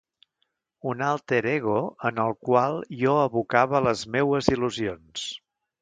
Un alter ego en el qual jo abocava les meues il·lusions.